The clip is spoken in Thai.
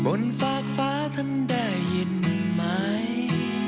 ฝากฟ้าท่านได้ยินไหม